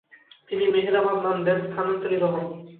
তিনি মেহেরাবাদ নাম দেন, স্থানান্তরিত হন।